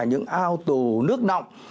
những ao tù nước nọng